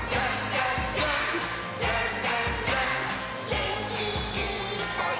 「げんきいっぱい